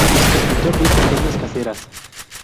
El pintor viste prendas caseras.